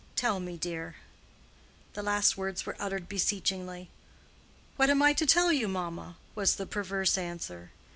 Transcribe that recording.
—Tell me, dear." The last words were uttered beseechingly. "What am I to tell you, mamma?" was the perverse answer.